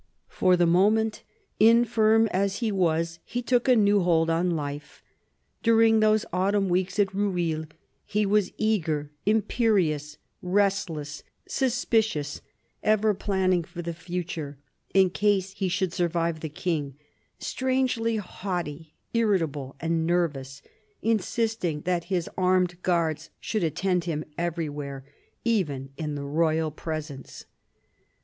For the moment, infirm as he was, he took a new hold on life. During those autumn weeks at Rueil he was eager, imperious, restless, suspicious, ever planning for the future, in case he should survive the King ; strangely haughty, irritable, and nervous, insisting that his armed guards should attend him everywhere, even in the royal presence.